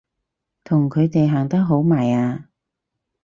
同佢哋行得好埋啊！